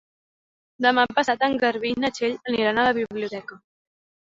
Demà passat en Garbí i na Txell aniran a la biblioteca.